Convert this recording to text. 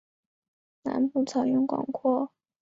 南部草原广阔。